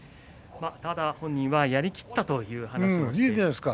ただ本人はやりきったという話です。